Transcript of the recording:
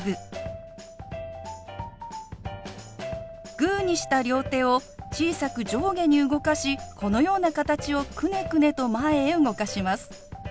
グーにした両手を小さく上下に動かしこのような形をくねくねと前へ動かします。